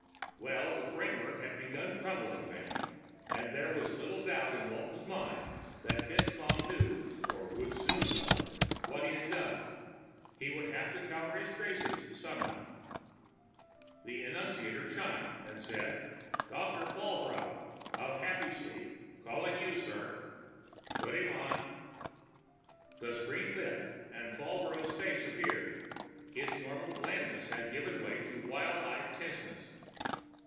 _ Well, the framework had begun crumbling, then. And there was little doubt in Walton's mind that FitzMaugham knew or would soon know what he had done. He would have to cover his traces, somehow. The annunciator chimed and said, "Dr. Falbrough of Happysleep calling you, sir." "Put him on." The screen lit and Falbrough's face appeared; its normal blandness had given way to wild eyed tenseness.